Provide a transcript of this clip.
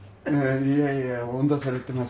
いやいや追ん出されてます。